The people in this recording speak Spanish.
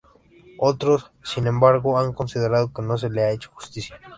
Otros, sin embargo, han considerado que no se le ha hecho justicia.